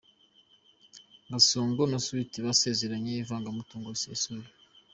Gasongo na Sweety basezeranye ivangamutungo risesuye.